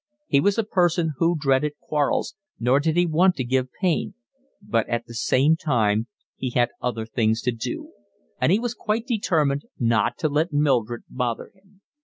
He was a person who dreaded quarrels, nor did he want to give pain; but at the same time he had other things to do, and he was quite determined not to let Mildred bother him.